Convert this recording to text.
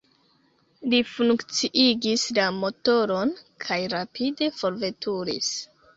Li funkciigis la motoron kaj rapide forveturis.